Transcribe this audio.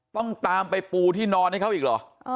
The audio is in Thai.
ต้องตามไปปูที่นอนให้เขาอีกเหรอ